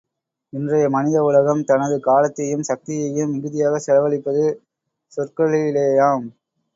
இன்றைய மனித உலகம் தனது காலத்தையும் சக்தியையும் மிகுதியாகச் செலவழிப்பது சொற்களிலேயாம்!